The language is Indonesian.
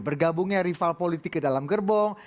bergabungnya rival politik ke dalam gerbong